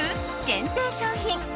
限定商品。